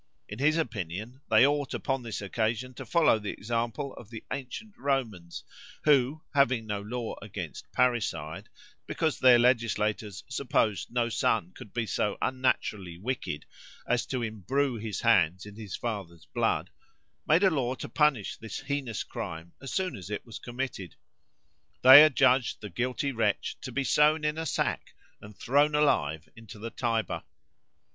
In his opinion, they ought upon this occasion to follow the example of the ancient Romans, who, having no law against parricide, because their legislators supposed no son could be so unnaturally wicked as to embrue his hands in his father's blood, made a law to punish this heinous crime as soon as it was committed. They adjudged the guilty wretch to be sown in a sack, and thrown alive into the Tiber.